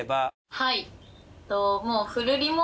はい。